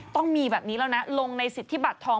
ต้องมีแบบนี้แล้วนะลงในสิทธิบัตรทอง